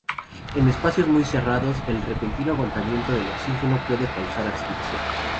En espacios muy cerrados, el repentino agotamiento del oxígeno puede causar asfixia.